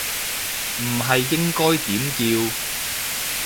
唔係應該點叫